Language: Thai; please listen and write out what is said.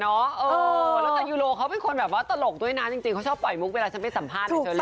แล้วแต่ยูโรเขาเป็นคนแบบว่าตลกด้วยนะจริงเขาชอบปล่อยมุกเวลาฉันไปสัมภาษณ์เชอรี่